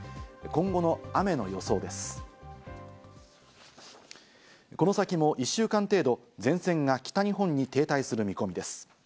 この先も１週間程度、前線が北日本に停滞する見込みです。